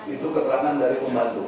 itu keterangan dari pembantu